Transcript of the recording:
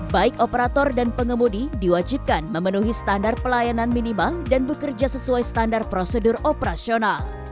baik operator dan pengemudi diwajibkan memenuhi standar pelayanan minimal dan bekerja sesuai standar prosedur operasional